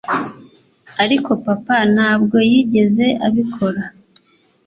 ariko papa ntabwo yigeze abikora